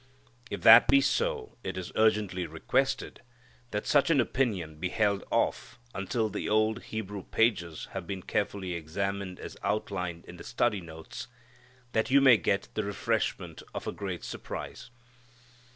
If that be so, it is urgently requested that such an opinion be held off until the old Hebrew pages have been carefully examined as outlined in the study notes, that you may get the refreshment of a great surprise.